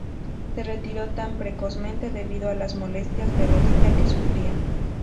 Se retiró tan precozmente debido a las molestias de rodilla que sufría.